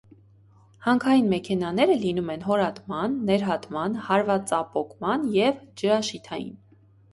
Հանքային մեքենաները լինում են՝ հորատման, ներհատման, հարվածապոկման և ջրաշիթային։